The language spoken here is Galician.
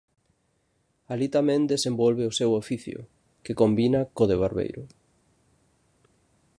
Alí tamén desenvolve o seu oficio, que combina co de barbeiro.